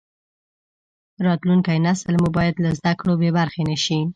راتلونکی نسل مو باید له زده کړو بې برخې نشي.